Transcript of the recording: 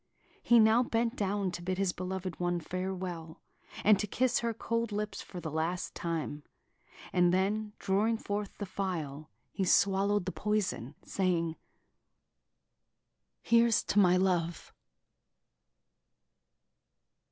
He now bent down to bid his beloved one farewell, and to kiss her cold lips for the last time; and then, drawing forth the phial, he swallowed the poison, saying: "Here's to my love!...